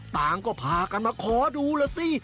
ต่างก็พากันมาขอดูล่ะสิ